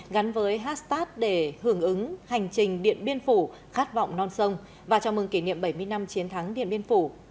gắn với hashtag để hưởng ứng hành trình điện biên phủ khát vọng non sông và chào mừng kỷ niệm bảy mươi năm chiến thắng điện biên phủ